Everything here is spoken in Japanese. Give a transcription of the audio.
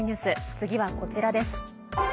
次はこちらです。